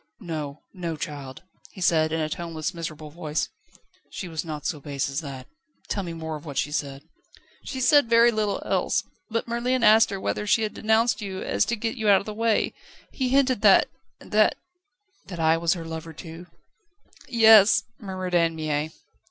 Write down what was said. "No, no, child," he said in a toneless, miserable voice; "she was not so base as that. Tell me more of what she said." "She said very little else. But Merlin asked her whether she had denounced you so as to get you out of the way. He hinted that that ..." "That I was her lover too?" "Yes," murmured Anne Mie.